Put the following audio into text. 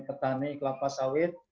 petani kelapa sawit